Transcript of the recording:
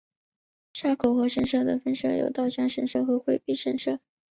沙河口神社的分社有稻荷神社和惠比寿神社。